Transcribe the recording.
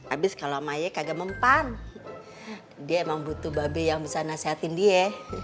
abis kalau maya kagak mempan dia emang butuh babi yang bisa nasihatin dia